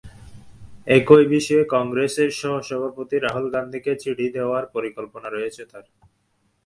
একই বিষয়ে কংগ্রেসের সহসভাপতি রাহুল গান্ধীকে চিঠি দেওয়ার পরিকল্পনা রয়েছে তাঁর।